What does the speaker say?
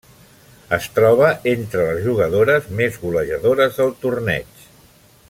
Es troba entre les jugadores més golejadores del torneig.